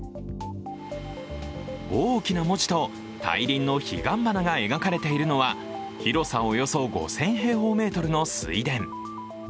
大きな文字と大輪の彼岸花が描かれているのは広さおよそ５０００平方メートルの水田。